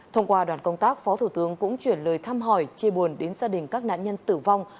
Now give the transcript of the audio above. thông qua đoàn công tác phó thủ tướng cũng chuyển lời thăm hỏi chia buồn đến gia đình các nạn nhân tử vong